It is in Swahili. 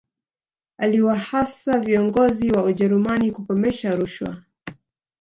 aliwahasa viongozi wa ujerumani kukomesha rushwa